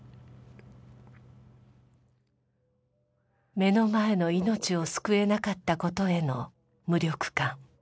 目の前の命を救えなかったことへの無力感。